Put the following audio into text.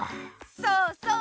そうそう！